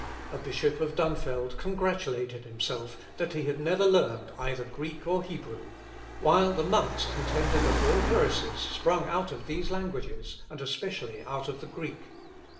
A Bishop of Dunfeld congratulated himself that he had never learned either Greek or Hebrew, while the monks contended that all heresies sprung out of these languages, and especially out of the Greek.